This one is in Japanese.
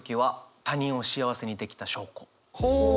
ほう。